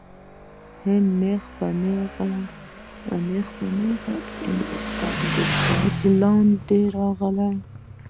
هند نیغ په نیغه د انګلستان د تاج تر واک لاندې راغی.